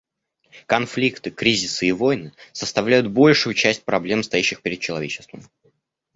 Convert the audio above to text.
Конфликты, кризисы и войны составляют большую часть проблем, стоящих перед человечеством.